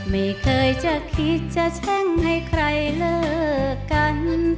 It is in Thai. ไม่เคยจะคิดจะแช่งให้ใครเลิกกัน